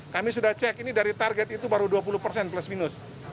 kami sudah cek ini dari target itu baru dua puluh persen plus minus